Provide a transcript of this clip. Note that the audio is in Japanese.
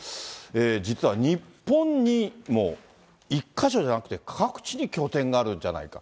実は日本にも１か所じゃなくて、各地に拠点があるんじゃないか。